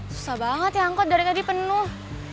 susah banget ya angkot dari tadi penuh